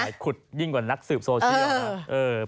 สายขุดยิ่งกว่านักสืบโซเชียลนะ